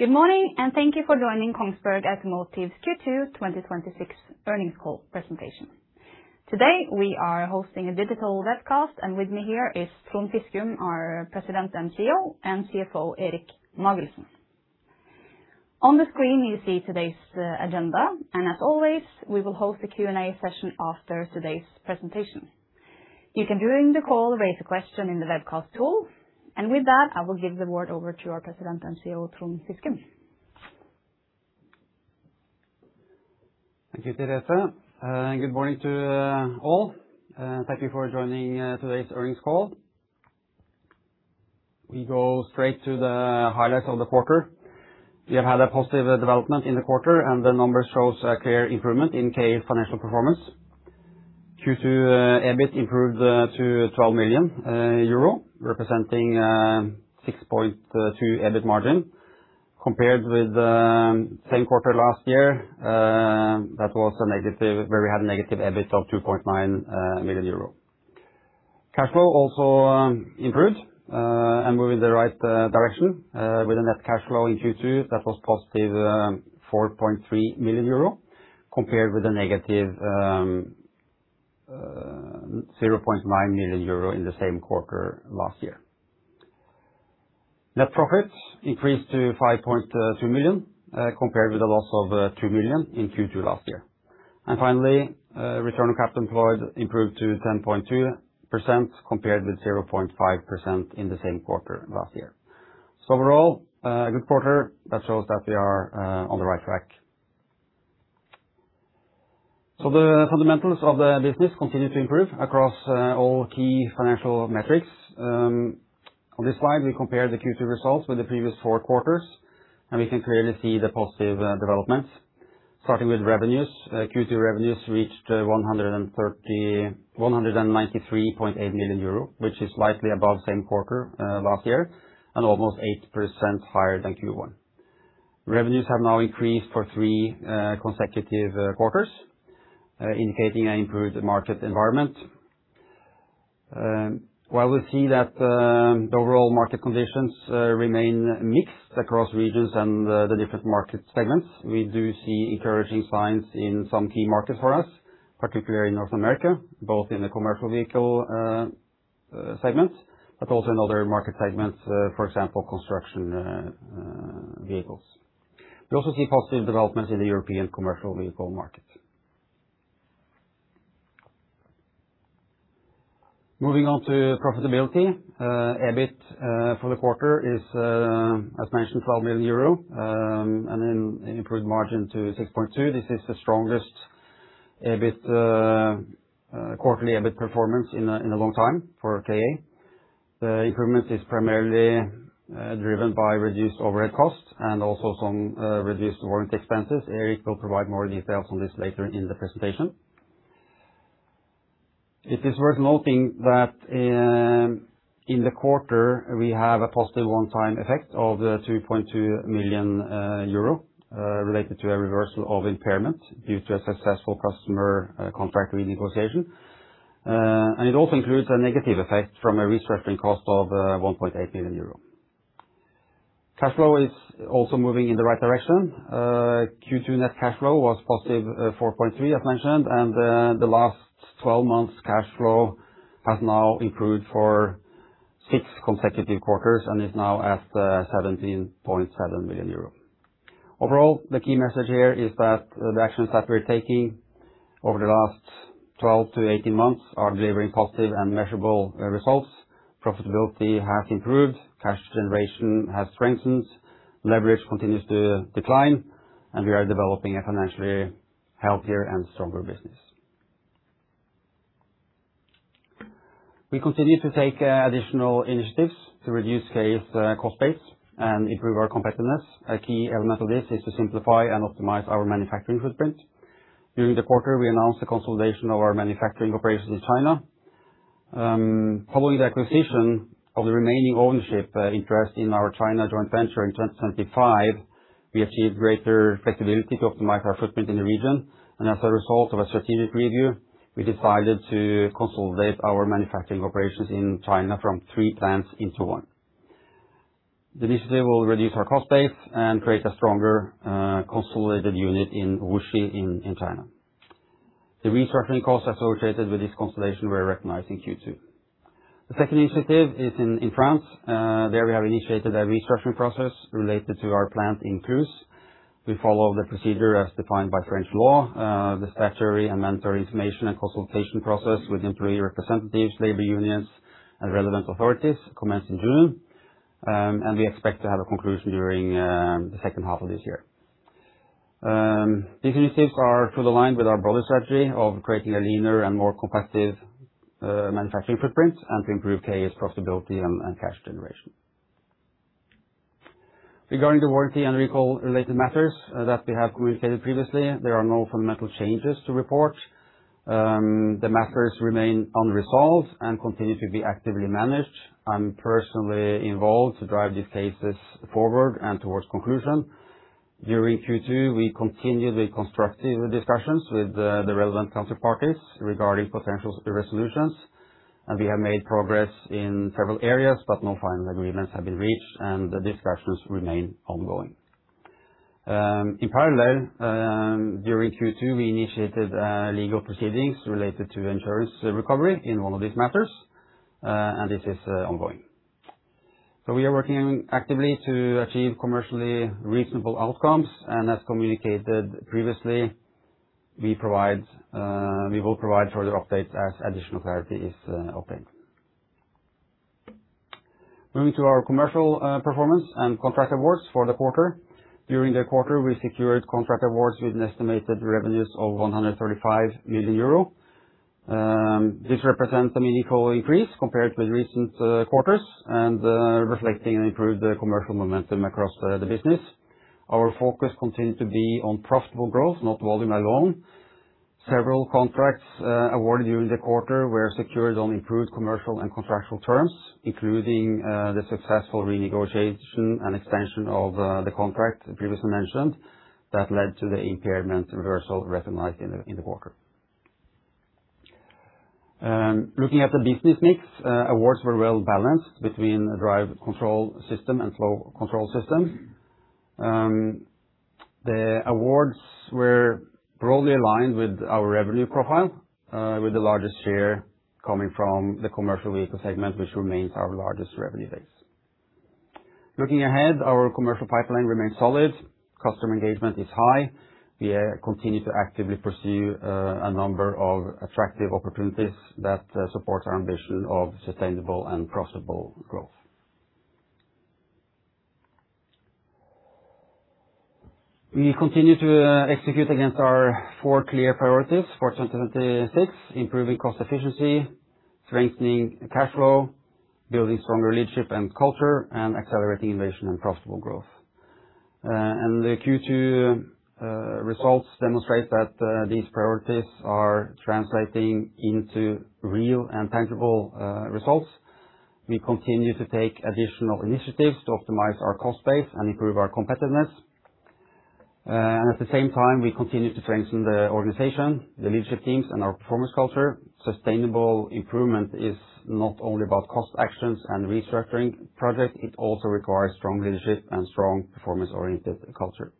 Good morning, and thank you for joining Kongsberg Automotive's Q2 2026 earnings call presentation. Today, we are hosting a digital webcast, and with me here is Trond Fiskum our President and CEO, and CFO Erik Magelssen. On the screen, you see today's agenda, and as always, we will host a Q&A session after today's presentation. You can, during the call, raise a question in the webcast tool. With that, I will give the word over to our President and CEO Trond Fiskum. Thank you, Therese. Good morning to all. Thank you for joining today's earnings call. We go straight to the highlights of the quarter. We have had a positive development in the quarter, and the numbers shows a clear improvement in KA's financial performance. Q2 EBIT improved to 12 million euro, representing 6.2% EBIT margin compared with the same quarter last year, where we had a negative EBIT of 2.9 million euro. Cash flow also improved and moving in the right direction with a net cash flow in Q2 that was +4.3 million euro, compared with a -0.9 million euro in the same quarter last year. Net profits increased to 5.2 million, compared with a loss of 2 million in Q2 last year. Finally, return on capital employed improved to 10.2% compared with 0.5% in the same quarter last year. Overall, a good quarter that shows that we are on the right track. The fundamentals of the business continue to improve across all key financial metrics. On this slide, we compare the Q2 results with the previous four quarters, and we can clearly see the positive developments. Starting with revenues. Q2 revenues reached 193.8 million euro, which is slightly above same quarter last year and almost 8% higher than Q1. Revenues have now increased for three consecutive quarters, indicating an improved market environment. While we see that the overall market conditions remain mixed across regions and the different market segments, we do see encouraging signs in some key markets for us, particularly in North America, both in the commercial vehicle segments, but also in other market segments, for example, construction vehicles. We also see positive developments in the European commercial vehicle market. Moving on to profitability. EBIT for the quarter is, as mentioned, 12 million euro and an improved margin to 6.2%. This is the strongest quarterly EBIT performance in a long time for KA. The improvement is primarily driven by reduced overhead costs and also some reduced warranty expenses. Erik will provide more details on this later in the presentation. It is worth noting that in the quarter, we have a positive one-time effect of 2.2 million euro related to a reversal of impairment due to a successful customer contract renegotiation. It also includes a negative effect from a restructuring cost of 1.8 million euro. Cash flow is also moving in the right direction. Q2 net cash flow was +4.3 million, as mentioned, and the last 12 months cash flow has now improved for six consecutive quarters and is now at 17.7 million euro. Overall, the key message here is that the actions that we're taking over the last 12-18 months are delivering positive and measurable results. Profitability has improved, cash generation has strengthened, leverage continues to decline, and we are developing a financially healthier and stronger business. We continue to take additional initiatives to reduce KA's cost base and improve our competitiveness. A key element of this is to simplify and optimize our manufacturing footprint. During the quarter, we announced the consolidation of our manufacturing operations in China. Following the acquisition of the remaining ownership interest in our China joint venture in 2025, we achieved greater flexibility to optimize our footprint in the region. As a result of a strategic review, we decided to consolidate our manufacturing operations in China from three plants into one. The initiative will reduce our cost base and create a stronger, consolidated unit in Wuxi in China. The restructuring costs associated with this consolidation were recognized in Q2. The second initiative is in France. There we have initiated a restructuring process related to our plant in Cluses. We follow the procedure as defined by French law. The statutory and mandatory information and consultation process with employee representatives, labor unions, and relevant authorities commenced in June, and we expect to have a conclusion during the second half of this year. These initiatives are to the line with our broader strategy of creating a leaner and more competitive manufacturing footprint and to improve KA's profitability and cash generation. Regarding the warranty and recall-related matters that we have communicated previously, there are no fundamental changes to report. The matters remain unresolved and continue to be actively managed. I'm personally involved to drive these cases forward and towards conclusion. During Q2, we continued with constructive discussions with the relevant counter parties regarding potential resolutions and we have made progress in several areas, but no final agreements have been reached and the discussions remain ongoing. In parallel, during Q2, we initiated legal proceedings related to insurance recovery in one of these matters, and this is ongoing. We are working actively to achieve commercially reasonable outcomes and as communicated previously, we will provide further updates as additional clarity is obtained. Moving to our commercial performance and contract awards for the quarter. During the quarter, we secured contract awards with an estimated revenues of 135 million euro. This represents a meaningful increase compared with recent quarters and reflecting an improved commercial momentum across the business. Our focus continued to be on profitable growth, not volume alone. Several contracts awarded during the quarter were secured on improved commercial and contractual terms, including the successful renegotiation and expansion of the contract previously mentioned that led to the impairment reversal recognized in the quarter. Looking at the business mix, awards were well balanced between Drive Control Systems and Flow Control Systems. The awards were broadly aligned with our revenue profile, with the largest share coming from the commercial vehicle segment, which remains our largest revenue base. Looking ahead, our commercial pipeline remains solid. Customer engagement is high. We continue to actively pursue a number of attractive opportunities that support our ambition of sustainable and profitable growth. We continue to execute against our four clear priorities for 2026, improving cost efficiency, strengthening cash flow, building stronger leadership and culture, and accelerating innovation and profitable growth. The Q2 results demonstrate that these priorities are translating into real and tangible results. We continue to take additional initiatives to optimize our cost base and improve our competitiveness. At the same time, we continue to strengthen the organization, the leadership teams and our performance culture. Sustainable improvement is not only about cost actions and restructuring projects, it also requires strong leadership and strong performance-oriented culture.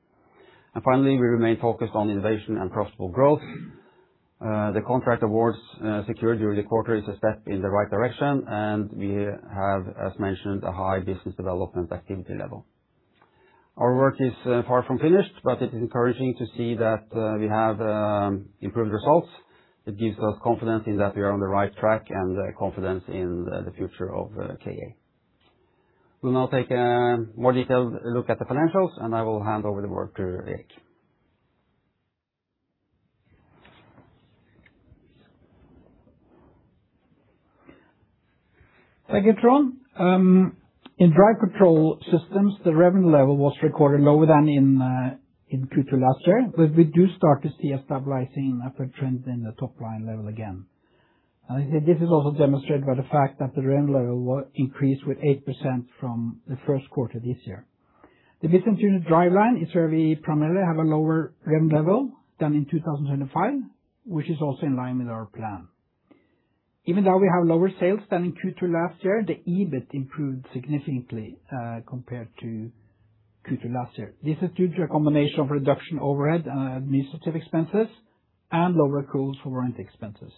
Finally, we remain focused on innovation and profitable growth. The contract awards secured during the quarter is a step in the right direction and we have, as mentioned, a high business development activity level. Our work is far from finished, but it is encouraging to see that we have improved results. It gives us confidence in that we are on the right track and confidence in the future of the KA. We will now take a more detailed look at the financials and I will hand over the work to Erik. Thank you, Trond. In Drive Control Systems, the revenue level was recorded lower than in Q2 2025, but we do start to see a stabilizing upward trend in the top-line level again. This is also demonstrated by the fact that the revenue level increased with 8% from the first quarter this year. The business unit Driveline is where we primarily have a lower revenue level than in 2025, which is also in line with our plan. Even though we have lower sales than in Q2 last year, the EBIT improved significantly compared to Q2 last year. This is due to a combination of reduction overhead and administrative expenses and lower cost for warranty expenses.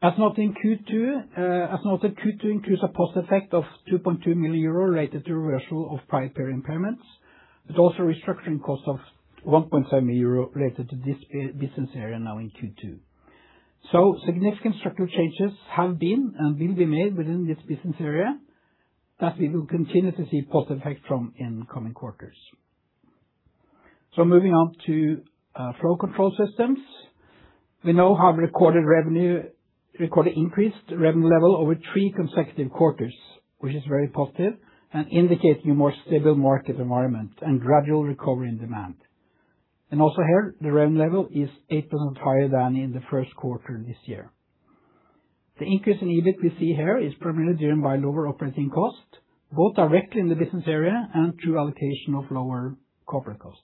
As noted, Q2 includes a positive effect of 2.2 million euro related to reversal of prior period impairments, but also restructuring costs of 1.7 million euro related to this business area now in Q2. Significant structural changes have been and will be made within this business area that we will continue to see positive effect from in coming quarters. Moving on to Flow Control Systems. We now have recorded increased revenue level over three consecutive quarters, which is very positive and indicates a more stable market environment and gradual recovery in demand. Also here the revenue level is 8% higher than in the first quarter this year. The increase in EBIT we see here is primarily driven by lower operating cost, both directly in the business area and through allocation of lower corporate costs.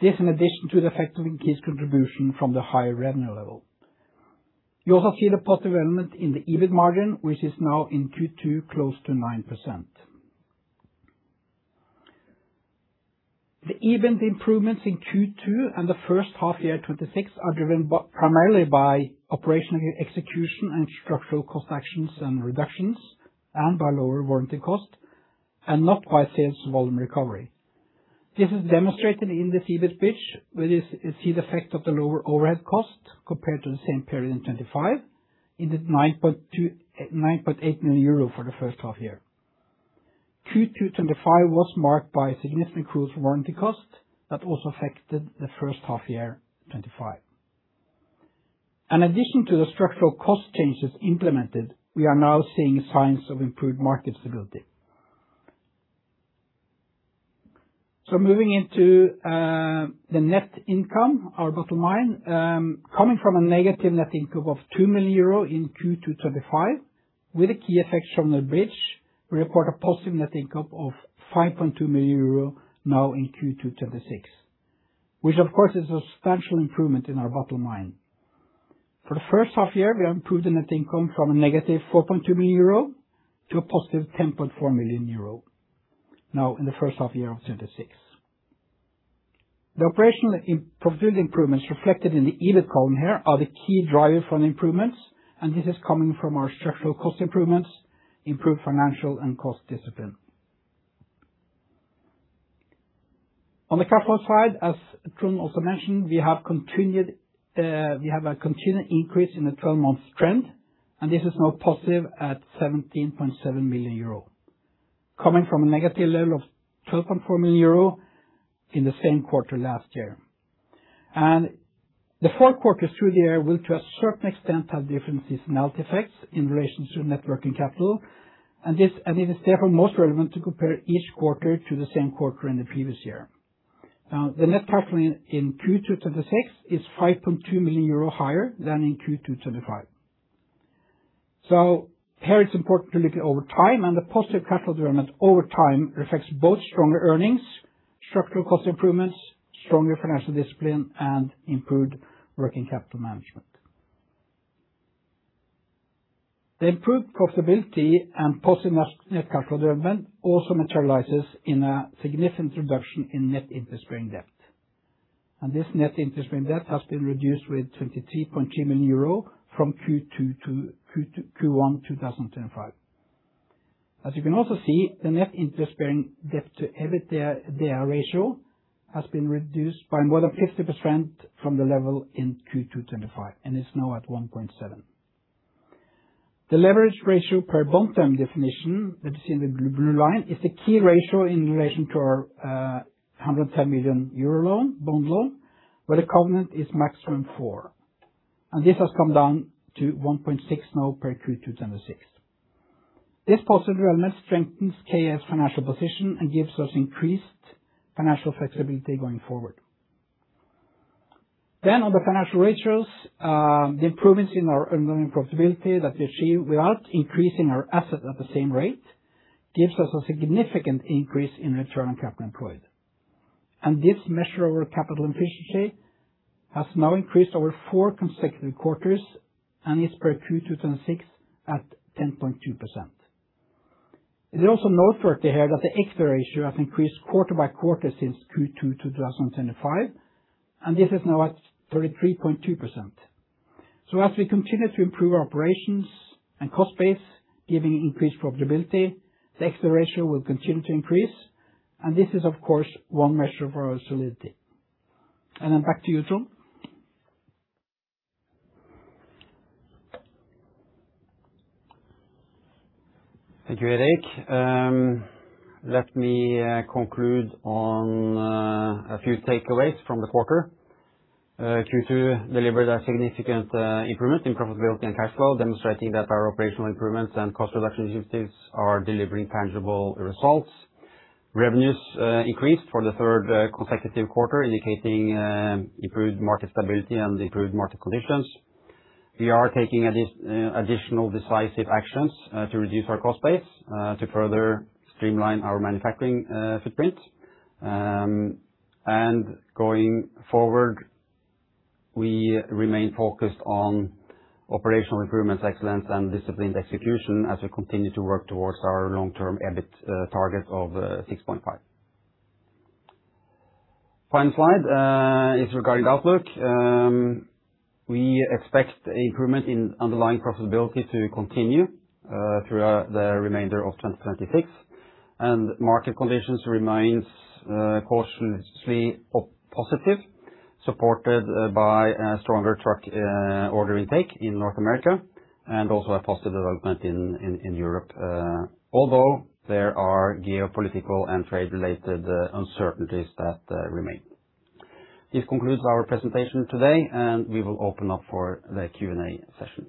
This in addition to the effect of increased contribution from the higher revenue level. You also see the positive element in the EBIT margin, which is now in Q2 close to 9%. The EBIT improvements in Q2 and the first half year 2026 are driven primarily by operational execution and structural cost actions and reductions and by lower warranty cost and not by sales volume recovery. This is demonstrated in the EBIT bridge where you see the effect of the lower overhead cost compared to the same period in 2025 ended 9.8 million euro for the first half year. Q2 2025 was marked by significant gross warranty cost that also affected the first half year 2025. In addition to the structural cost changes implemented, we are now seeing signs of improved market stability. Moving into the net income, our bottom-line. Coming from a negative net income of 2 million euro in Q2 2025 with a key effect from the bridge, we report a positive net income of 5.2 million euro now in Q2 2026, which of course is a substantial improvement in our bottom-line. For the first half year, we have improved the net income from a -4.2 million euro to a +10.4 million euro now in the first half year of 2026. The operational profitability improvements reflected in the EBIT column here are the key driver for the improvements. This is coming from our structural cost improvements, improved financial and cost discipline. On the capital side, as Trond also mentioned, we have a continued increase in the 12-month trend. This is now positive at 17.7 million euro, coming from a negative level of 12.4 million euro in the same quarter last year. The four quarters through the year will to a certain extent have different seasonality effects in relation to net working capital, and it is therefore most relevant to compare each quarter to the same quarter in the previous year. The net income in Q2 2026 is 5.2 million euro higher than in Q2 2025. Here it's important to look at over time. The positive capital development over time reflects both stronger earnings, structural cost improvements, stronger financial discipline, and improved working capital management. The improved profitability and positive net income development also materializes in a significant reduction in net interest-bearing debt. This net interest-bearing debt has been reduced with 23.2 million euro from Q1 2025. As you can also see, the net interest-bearing debt-to-EBITDA ratio has been reduced by more than 50% from the level in Q2 2025 and is now at 1.7x. The leverage ratio per bond term definition, that is in the blue line, is the key ratio in relation to our 110 million euro bond loan, where the covenant is maximum 4.0x. This has come down to 1.6x now per Q2 2026. This positive development strengthens KA's financial position and gives us increased financial flexibility going forward. On the financial ratios, the improvements in our underlying profitability that we achieve without increasing our asset at the same rate gives us a significant increase in return on capital employed. This measure of our capital efficiency has now increased over four consecutive quarters and is, per Q2 2026, at 10.2%. It is also noteworthy here that the equity ratio has increased quarter by quarter since Q2 2025. This is now at 33.2%. As we continue to improve our operations and cost base, giving increased profitability, the equity ratio will continue to increase. This is of course one measure of our solidity. Back to you, Trond. Thank you, Erik. Let me conclude on a few takeaways from the quarter. Q2 delivered a significant improvement in profitability and cash flow, demonstrating that our operational improvements and cost reduction initiatives are delivering tangible results. Revenues increased for the third consecutive quarter, indicating improved market stability and improved market conditions. We are taking additional decisive actions to reduce our cost base to further streamline our manufacturing footprint. Going forward, we remain focused on operational improvements, excellence and disciplined execution as we continue to work towards our long-term EBIT target of 6.5%. Final slide is regarding outlook. We expect the improvement in underlying profitability to continue throughout the remainder of 2026. Market conditions remain cautiously positive, supported by a stronger truck ordering intake in North America and also a positive development in Europe, although there are geopolitical and trade-related uncertainties that remain. This concludes our presentation today, and we will open up for the Q&A session.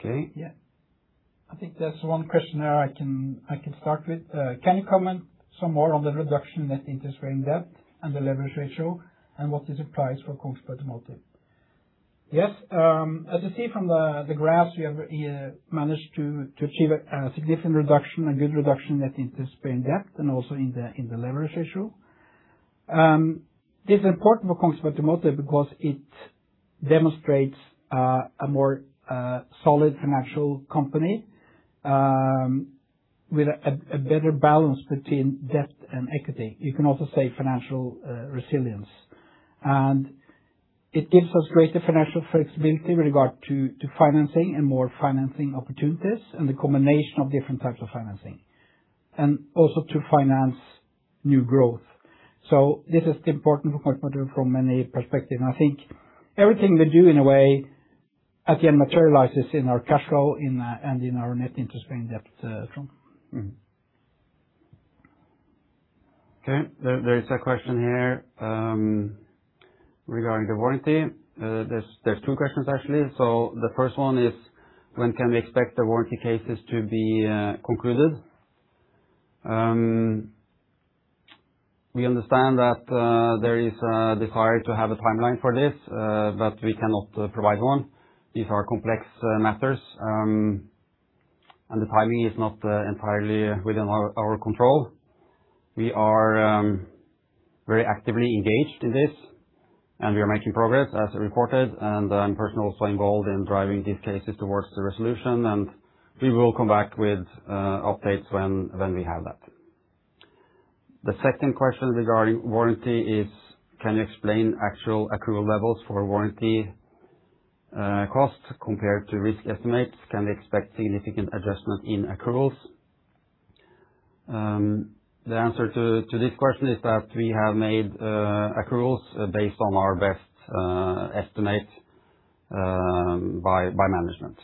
Okay. I think there's one question there I can start with. Can you comment some more on the reduction in net interest-bearing debt and the leverage ratio and what this implies for Kongsberg Automotive? Yes. As you see from the graphs, we have managed to achieve a significant reduction in net interest-bearing debt and also in the leverage ratio. This is important for Kongsberg Automotive because it demonstrates a more solid financial company, with a better balance between debt and equity. You can also say financial resilience. It gives us greater financial flexibility with regard to financing and more financing opportunities and the combination of different types of financing, and also to finance new growth. This is important for Kongsberg from many perspectives, and I think everything we do in a way, at the end materializes in our cash flow and in our net interest-bearing debt, Trond. Okay. There's two questions, actually. The first one is, when can we expect the warranty cases to be concluded? We understand that there is a desire to have a timeline for this, but we cannot provide one. These are complex matters, and the timing is not entirely within our control. We are very actively engaged in this, and we are making progress as reported, personnel is also involved in driving these cases towards the resolution. We will come back with updates when we have that. The second question regarding warranty is, can you explain actual accrual levels for warranty costs compared to risk estimates? Can we expect significant adjustment in accruals? The answer to this question is that we have made accruals based on our best estimates by management.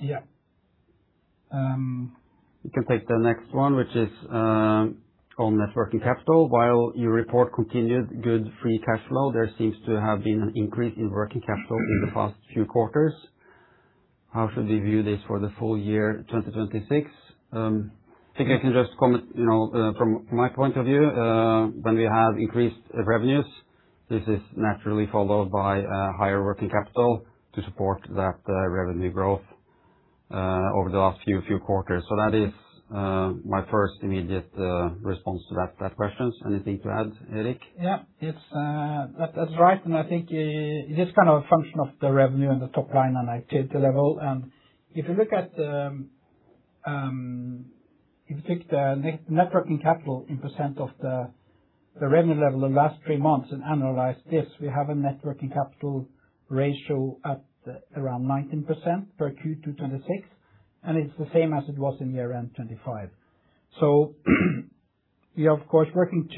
Yeah. We can take the next one, which is on net working capital. While you report continued good free cash flow, there seems to have been an increase in working capital in the past few quarters. How should we view this for the full-year 2026? I think I can just comment from my point of view. When we have increased revenues, this is naturally followed by higher working capital to support that revenue growth over the last few quarters. That is my first immediate response to that question. Anything to add, Erik? Yeah. That's right. I think it is kind of a function of the revenue and the top line activity level. If you look at the net working capital in percent of the revenue level the last three months and analyze this, we have a net working capital ratio at around 19% for Q2 2026, and it's the same as it was in the year-end 2025. We are, of course, working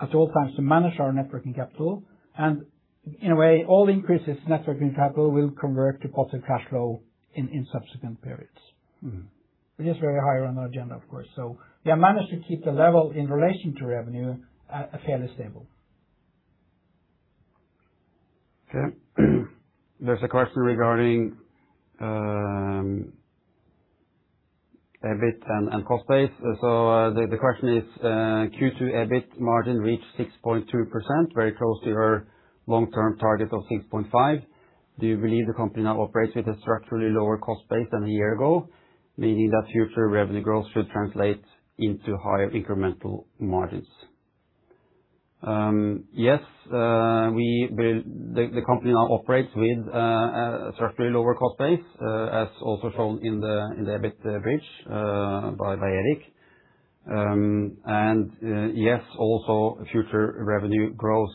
at all times to manage our net working capital, and in a way, all increases in net working capital will convert to positive cash flow in subsequent periods. It is very high on our agenda, of course. We have managed to keep the level in relation to revenue fairly stable. Okay. There is a question regarding EBIT and cost base. The question is, Q2 EBIT margin reached 6.2%, very close to your long-term target of 6.5%. Do you believe the company now operates with a structurally lower cost base than a year ago, meaning that future revenue growth should translate into higher incremental margins? Yes. The company now operates with a structurally lower cost base, as also shown in the EBIT bridge by Erik. Yes, also future revenue growth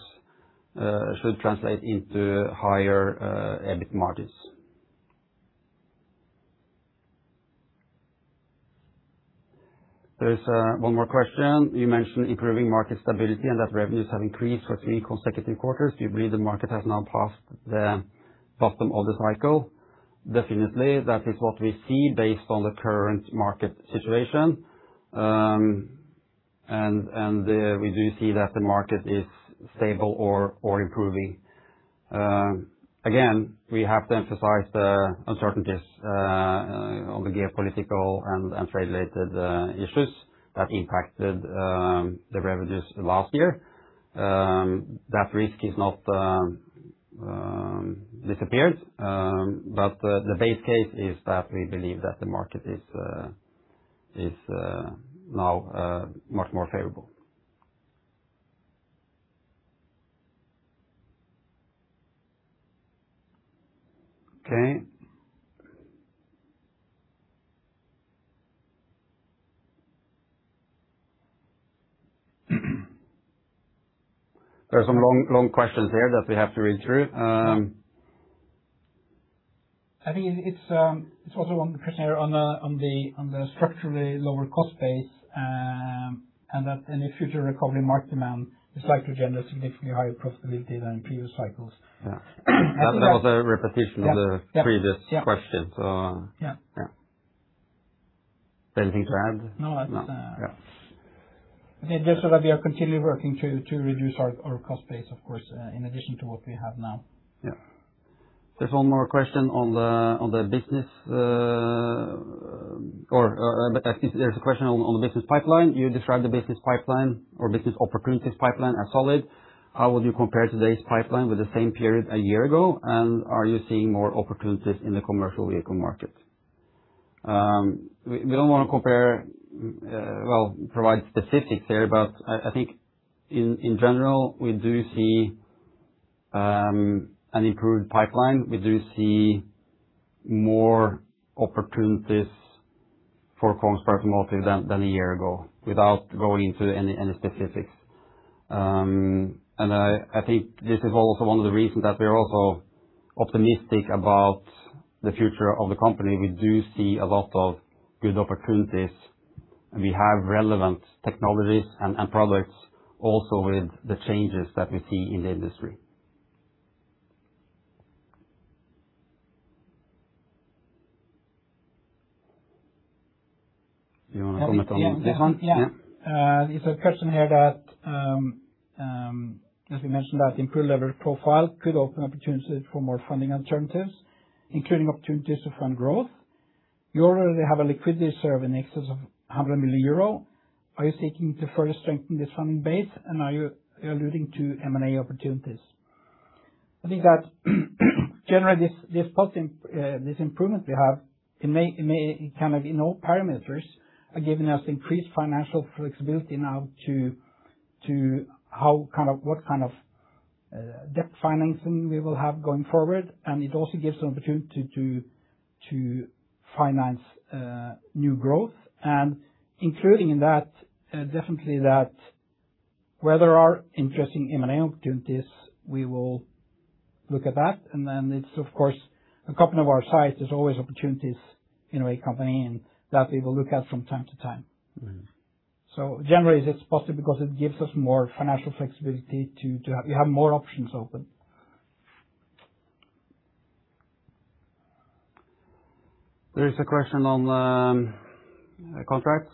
should translate into higher EBIT margins. There is one more question. You mentioned improving market stability and that revenues have increased for three consecutive quarters. Do you believe the market has now passed the bottom of the cycle? Definitely. That is what we see based on the current market situation. We do see that the market is stable or improving. Again, we have to emphasize the uncertainties on the geopolitical and trade-related issues that impacted the revenues last year. That risk is not disappeared. The base case is that we believe that the market is now much more favorable. Okay. There are some long questions here that we have to read through. I think it is also one question here on the structurally lower cost base and that any future recovery in market demand is likely to generate significantly higher profitability than previous cycles. That was a repetition of the previous question. Yeah. Yeah. Is there anything to add? No. No. Yeah. Just so that we are continually working to reduce our cost base, of course, in addition to what we have now. Yeah. I think there's a question on the business pipeline. You described the business pipeline or business opportunities pipeline as solid. How would you compare today's pipeline with the same period a year ago? Are you seeing more opportunities in the commercial vehicle market? We don't want to compare, well, provide specifics there, but I think in general, we do see an improved pipeline. We do see more opportunities for Kongsberg Automotive than a year ago, without going into any specifics. I think this is also one of the reasons that we're also optimistic about the future of the company. We do see a lot of good opportunities. We have relevant technologies and products also with the changes that we see in the industry. Do you want to comment on this one? Yeah. There's a question here that, as we mentioned, that improved leverage profile could open opportunities for more funding alternatives, including opportunities to fund growth. You already have a liquidity reserve in excess of 100 million euro. Are you seeking to further strengthen this funding base, and are you alluding to M&A opportunities? I think that generally, this improvement we have, it may in all parameters are giving us increased financial flexibility now to what kind of debt financing we will have going forward. It also gives the opportunity to finance new growth. Including in that, definitely that where there are interesting M&A opportunities, we will look at that. It's, of course, a company of our size, there's always opportunities in a company and that we will look at from time to time. Generally, it's possible because it gives us more financial flexibility to have more options open. There is a question on contracts.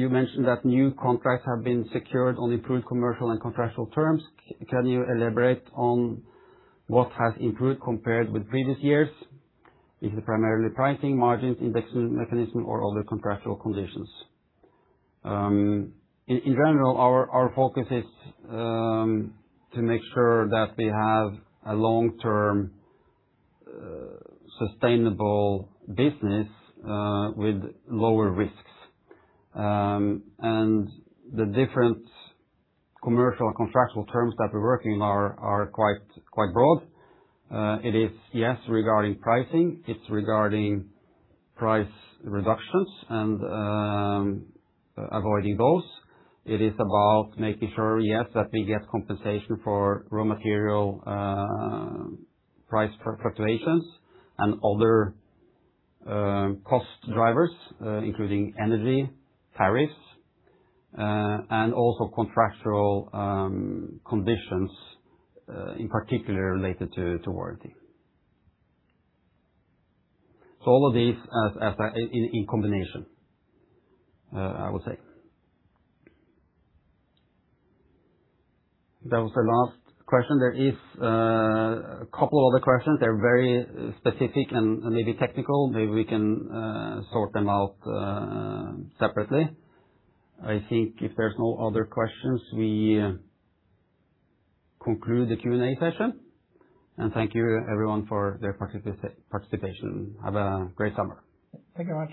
You mentioned that new contracts have been secured on improved commercial and contractual terms. Can you elaborate on what has improved compared with previous years? Is it primarily pricing margins, indexing mechanism, or other contractual conditions? In general, our focus is to make sure that we have a long-term sustainable business with lower risks. The different commercial and contractual terms that we're working are quite broad. It is yes, regarding pricing, it's regarding price reductions and avoiding those. It is about making sure, yes, that we get compensation for raw material price fluctuations and other cost drivers including energy, tariffs, and also contractual conditions in particular related to warranty. All of these in combination, I would say. That was the last question. There is a couple other questions. They're very specific and maybe technical. Maybe we can sort them out separately. I think if there's no other questions, we conclude the Q&A session. Thank you everyone for their participation. Have a great summer. Thank you very much.